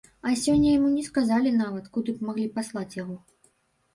А сёння яму не сказалі нават, куды б маглі паслаць яго.